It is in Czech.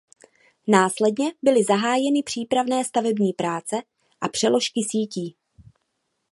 Následně byly zahájeny přípravné stavební práce a přeložky sítí.